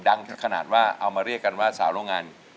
ขนาดว่าเอามาเรียกกันว่าสาวโรงงาน